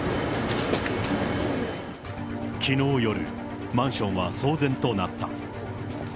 きのう夜、マンションは騒然となった。